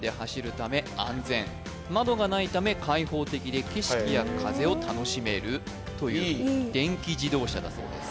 窓がないため開放的で景色や風を楽しめるといういい電気自動車だそうです